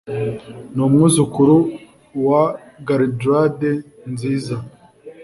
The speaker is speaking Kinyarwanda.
Ni umwuzukuru wa Gualdrade nziza